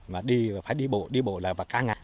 mà đi phải đi bộ đi bộ là cả ngày